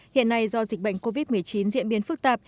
hiện nay do dịch bệnh covid một mươi chín diễn biến phức tạp